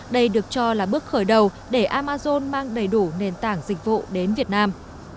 đây được cho là bước khởi đầu để amazon mang đầy đủ nền tảng dịch vụ đến việt nam